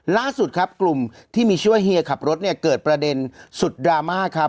ล่าสุดครับกลุ่มที่มีชื่อว่าเฮียขับรถเนี่ยเกิดประเด็นสุดดราม่าครับ